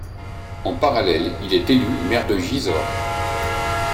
En parallèle, il est élu maire de Gisors.